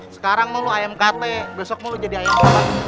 sekarang mau lo amkt besok mau lo jadi ayam goreng